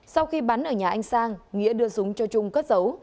sau khi bắn ở nhà anh sang nghĩa đưa súng cho chung cất dấu